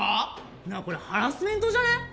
なあこれハラスメントじゃねえ？